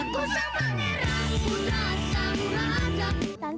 mana sih polisi kakak